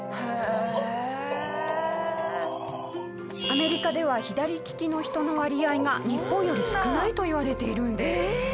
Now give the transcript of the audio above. アメリカでは左利きの人の割合が日本より少ないといわれているんです。